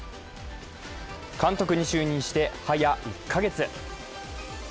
監督に就任して早１カ月。